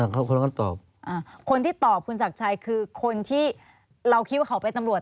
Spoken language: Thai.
เขาก็ตอบคนที่ตอบคุณศักดิ์ชัยคือคนที่เราคิดว่าเขาเป็นตำรวจ